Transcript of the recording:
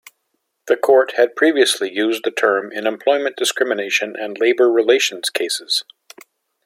The Court had previously used the term in employment discrimination and labor relations cases.